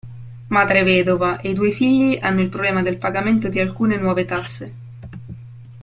Madre vedova e i due figli hanno il problema del pagamento di alcune nuove tasse.